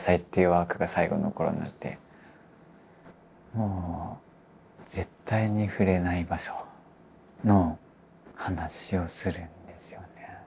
もう絶対に触れない場所の話をするんですよね。